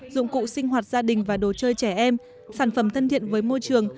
dụng cụ sinh hoạt gia đình và đồ chơi trẻ em sản phẩm thân thiện với môi trường